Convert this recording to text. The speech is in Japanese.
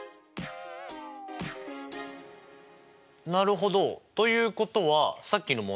なるほど。ということはさっきの問題。